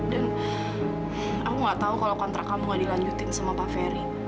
dan aku gak tau kalau kontrak kamu gak dilanjutin sama pak ferry